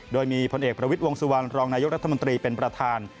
โดยมีผลเอกประวิทย์วงสุวรรณรองนายกรัฐมนตรีเป็นประธาน